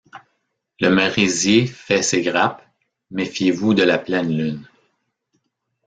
Le merisier fait ses grappes, méfiez-vous de la pleine lune.